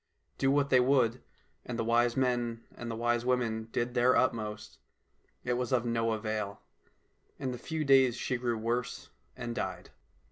Do what they would — and the wise men and the wise women did their utmost — it was of no avail. In a few days she grew worse and died.